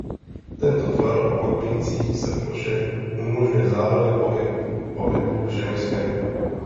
Tento tvar opakující se v ploše umožňuje zároveň pohyb v ohybu všemi směry.